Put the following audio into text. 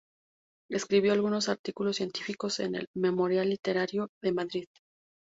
Escribió algunos artículos científicos en "El Memorial Literario" de Madrid.